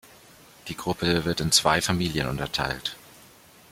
Die Gruppe wird in zwei Familien unterteilt.